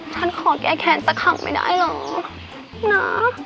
ฉันขอแก้แค้นซะครั้งไม่ได้หรอนะ